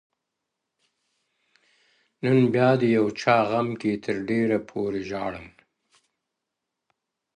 • نن بيا د يو چا غم كي تر ډېــره پوري ژاړمه ـ